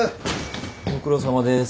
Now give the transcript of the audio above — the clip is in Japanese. ご苦労さまです。